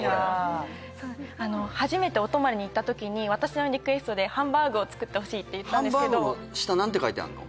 初めてお泊まりに行ったときに私のリクエストでハンバーグを作ってほしいって言ったんですけどハンバーグの下何て書いてあるの？